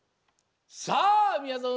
さあみやぞん